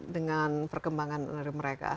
dengan perkembangan dari mereka